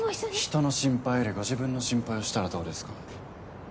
人の心配よりご自分の心配をしたらどうですか？